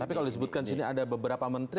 tapi kalau disebutkan di sini ada beberapa menteri